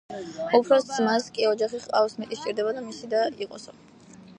უფროს ძმას კი ოჯახი ჰყავს, მეტი სჭირდება და მისი იყოსო.